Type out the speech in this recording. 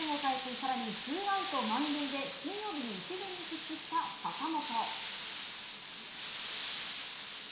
更にツーアウト満塁で金曜日に１軍に復帰した坂本。